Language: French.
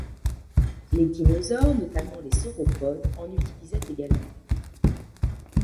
Des dinosaures, notamment les sauropodes, en utilisaient également.